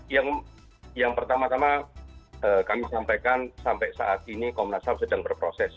yang pertama tama kami sampaikan sampai saat ini komnas ham sedang berproses